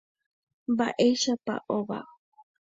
Mba'éichapa ova.